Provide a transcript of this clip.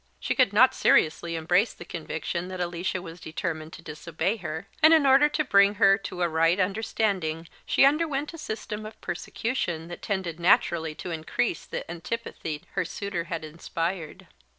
She could not seriously embrace the conviction that Alicia was determined to disobey her; and in order to bring her to a right understanding she underwent a system of persecution that tended naturally to increase the antipathy her suitor had inspired.